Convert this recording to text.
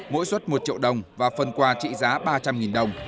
mỗi xuất một triệu đồng và phần quà trị giá ba trăm linh đồng